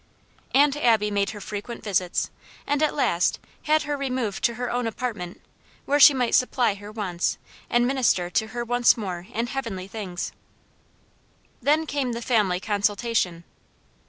Aunt Abby made her frequent visits, and at last had her removed to her own apartment, where she might supply her wants, and minister to her once more in heavenly things. Then came the family consultation.